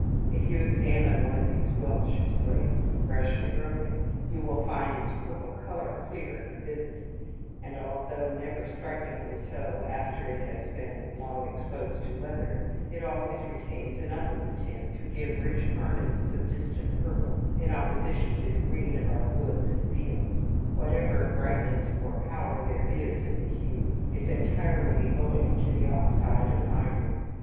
If you examine one of these Welsh slates freshly broken, you will find its purple colour clear and vivid; and although never strikingly so after it has been long exposed to weather, it always retains enough of the tint to give rich harmonies of distant purple in opposition to the green of our woods and fields. Whatever brightness or power there is in the hue is entirely owing to the oxide of iron.